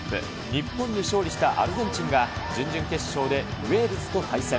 日本に勝利したアルゼンチンが、準々決勝でウェールズと対戦。